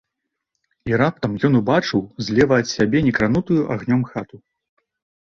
І раптам ён убачыў злева ад сябе не кранутую агнём хату.